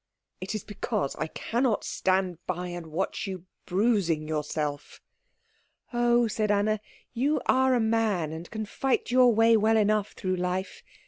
"It is because I cannot stand by and watch you bruising yourself." "Oh," said Anna, "you are a man, and can fight your way well enough through life.